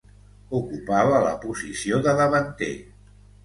Ocupava la posició de davanter.